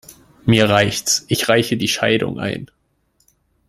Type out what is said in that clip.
Mir reicht's. Ich reiche die Scheidung ein!